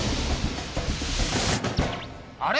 あれ？